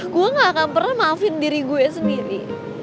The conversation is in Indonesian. gue gak akan pernah maafin diri gue sendiri